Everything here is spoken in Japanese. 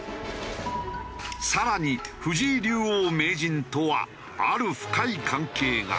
さらに藤井竜王・名人とはある深い関係が。